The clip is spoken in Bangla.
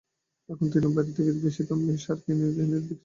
এখন তিনি বাইরে থেকে বেশি দামে সার কিনে এনে বিক্রি করছেন।